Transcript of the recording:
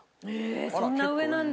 えーっそんな上なんだ。